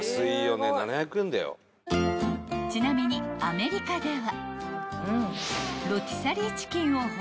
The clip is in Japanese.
［ちなみにアメリカでは］